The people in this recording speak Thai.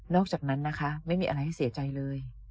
อกจากนั้นนะคะไม่มีอะไรให้เสียใจเลย